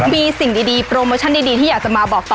มีสิ่งดีโปรโมชั่นดีที่อยากจะมาบอกต่อ